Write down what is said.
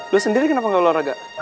lo sendiri kenapa nggak olahraga